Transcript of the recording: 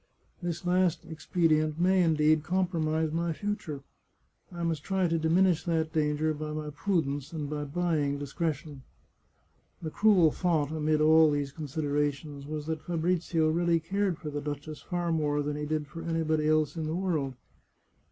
This last expedient may, indeed, compromise my future. I must try to diminish that danger by my pru dence, and by buying discretion." The cruel thought, amid all these considerations, was that Fabrizio really cared for the duchess far more than he did for anybody else in the world.